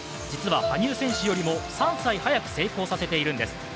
実は羽生選手よりも３歳早く成功させているんです。